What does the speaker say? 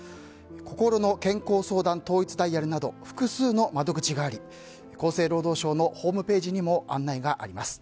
こころの健康相談統一ダイヤルなど、複数の窓口があり厚生労働省のホームページにも案内があります。